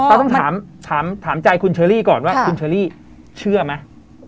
เราต้องถามใจคุณเชอรี่ก่อนว่าคุณเชอรี่เชื่อไหม